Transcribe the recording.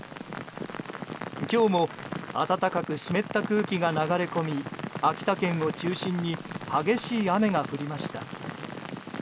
今日も暖かく湿った空気が流れ込み、秋田県を中心に激しい雨が降りました。